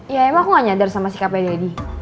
ya emang aku nggak nyadar sama sikapnya daddy